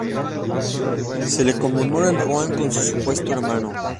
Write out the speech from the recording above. Se le conmemora en Ruan, con su supuesto hermano.